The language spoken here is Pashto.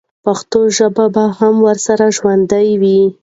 پښتو ژبه به هم ورسره ژوندۍ وي.